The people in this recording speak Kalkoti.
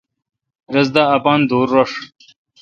رس دا اپان دور رݭ۔